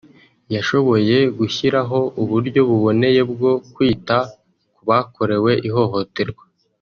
yashoboye gushyiraho uburyo buboneye bwo kwita ku bakorewe ihohoterwa